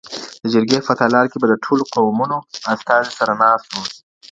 د جرګي په تالار کي به د ټولو قومونو استازي سره ناست وو.